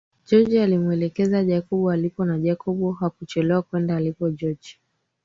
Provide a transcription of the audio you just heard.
George alimuelekeza Jacob alipo na Jacob hakuchelewa akaenda alipo George